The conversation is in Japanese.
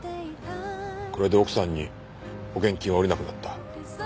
これで奥さんに保険金はおりなくなった。